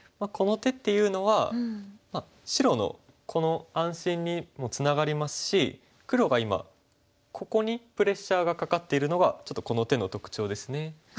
この手っていうのは白のこの安心にもつながりますし黒が今ここにプレッシャーがかかっているのがちょっとこの手の特徴ですね。